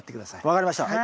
分かりました。